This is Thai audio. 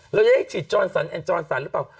เราจะได้ฉีดจรสันแอนจรสันหรือเปล่า